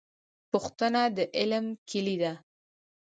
پوښتنه د علم کیلي ده